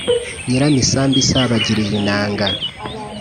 Nyiramusambi isabagirira inanga,